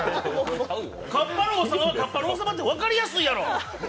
カッパの王様はカッパの王様って分かりやすいやろ！